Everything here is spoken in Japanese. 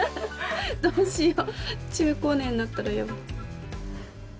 どうしよう中高年になったらやば。